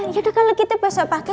yaudah kalau kita besok pagi